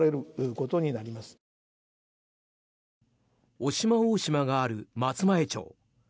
渡島大島がある松前町。